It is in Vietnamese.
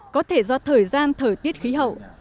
có thể do thời gian thời tiết khí hậu